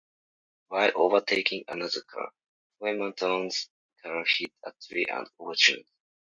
While overtaking another car, Trematon's car hit a tree and overturned.